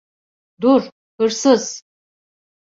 Dur, hırsız!